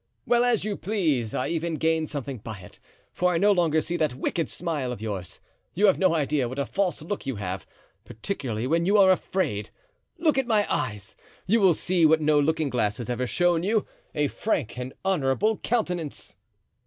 Well, as you please, I even gain something by it, for I no longer see that wicked smile of yours. You have no idea what a false look you have, particularly when you are afraid. Look at my eyes and you will see what no looking glass has ever shown you—a frank and honorable countenance."